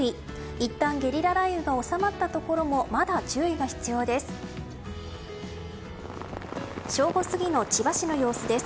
いったんゲリラ雷雨が収まったところもまだ注意が必要です。